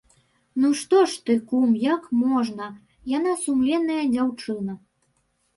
Ну, што ж ты, кум, як можна, яна сумленная дзяўчына.